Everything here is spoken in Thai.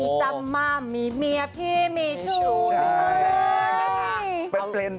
เห็นไปแล้วมีจำม่ำมีเมียพี่มีชูด้วย